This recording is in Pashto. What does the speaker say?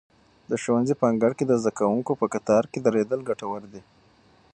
د ښوونځي په انګړ کې د زده کوونکو په کتار کې درېدل ګټور دي.